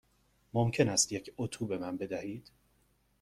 ممکن است یک اتو به من بدهید؟